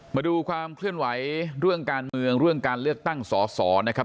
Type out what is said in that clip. มาดูความเคลื่อนไหวเรื่องการเมืองเรื่องการเลือกตั้งสอสอนะครับ